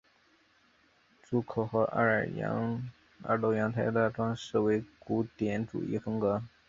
檐口和二楼阳台的装饰为古典主义风格。